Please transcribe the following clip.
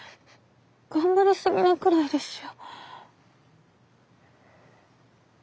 頑張りすぎなくらいですよ。